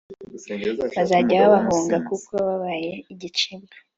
bazajya babahunga, kuko babaye ibicibwa